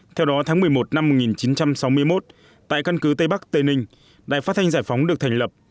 theo đó tháng một mươi một năm một nghìn chín trăm sáu mươi một tại căn cứ tây bắc tây ninh đài phát thanh giải phóng được thành lập